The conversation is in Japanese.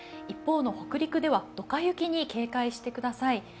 一方の北陸ではどか雪に警戒してください。